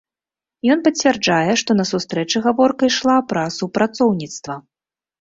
Ён пацвярджае, што на сустрэчы гаворка ішла пра супрацоўніцтва.